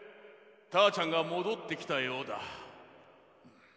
たーちゃんがもどってきたようだ。